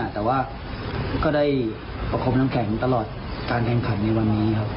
แต่ว่าก็ได้ประคมน้ำแข็งตลอดการแข่งขันในวันนี้ครับ